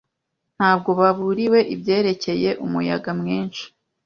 Ntabwo baburiwe ibyerekeye umuyaga mwinshi.